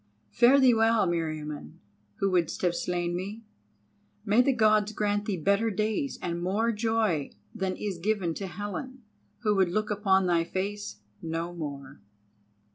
Fare thee well, Meriamun, who wouldst have slain me. May the Gods grant thee better days and more of joy than is given to Helen, who would look upon thy face no more."